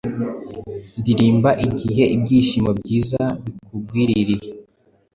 ndirimba igihe; Ibyishimo byiza bikugwiririye!